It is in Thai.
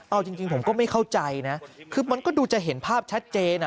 เอาจริงผมก็ไม่เข้าใจนะคือมันก็ดูจะเห็นภาพชัดเจน